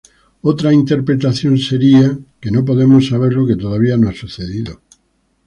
Otra interpretación sería: que no podemos saber lo que todavía no ha sucedido.